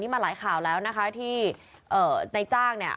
มาหลายข่าวแล้วนะคะที่เอ่อในจ้างเนี่ย